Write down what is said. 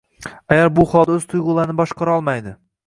Ayol bu holda o‘z tuyg‘ularini boshqarolmaydi.